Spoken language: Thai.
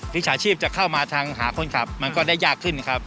ฉาชีพจะเข้ามาทางหาคนขับมันก็ได้ยากขึ้นครับ